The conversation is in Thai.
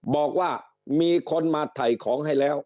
บอกว่ามีคนมาถ่ายของให้แล้ว